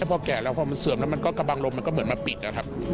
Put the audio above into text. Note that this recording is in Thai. พอแก่แล้วพอมันเสื่อมแล้วมันก็กระบังลมมันก็เหมือนมาปิดนะครับ